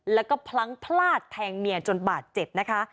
แล้วก็พลั้งพลาดแทงเมียจนบาดเจ็บนะคะ